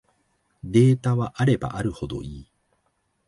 データはあればあるほどいい